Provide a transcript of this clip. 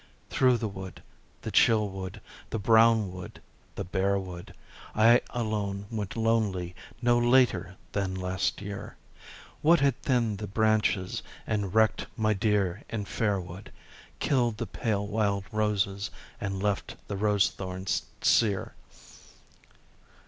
Through the wood, the chill wood, the brown wood, the bare wood, I alone went lonely no later than last year, What had thinned the branches, and wrecked my dear and fair wood, Killed the pale wild roses and left the rose thorns sere